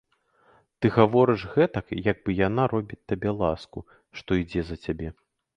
Ты гаворыш гэтак, як бы яна робіць табе ласку, што ідзе за цябе.